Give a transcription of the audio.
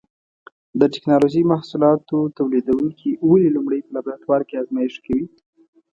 د ټېکنالوجۍ محصولاتو تولیدوونکي ولې لومړی په لابراتوار کې ازمېښت کوي؟